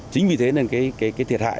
chính vì thế nên cái thiệt hại